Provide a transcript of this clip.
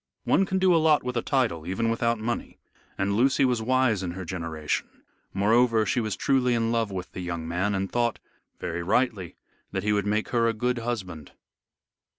One can do a lot with a title even without money, and Lucy was wise in her generation. Moreover, she was truly in love with the young man, and thought, very rightly, that he would make her a good husband.